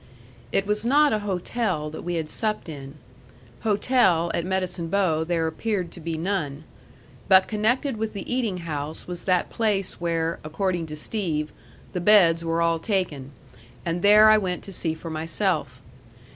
It was not a hotel that we had supped in. Hotel at Medicine Bow there appeared to be none. But connected with the eating house was that place where, according to Steve, the beds were all taken, and there I went to see for myself.